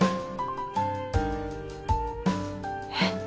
えっ？